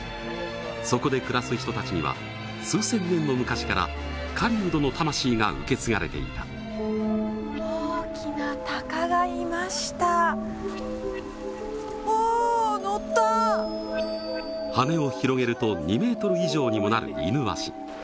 そこで暮らす人達には数千年の昔から狩人の魂が受け継がれていた大きな鷹がいましたお乗った羽を広げると２メートル以上にもなるイヌワシ